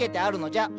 「じゃ」？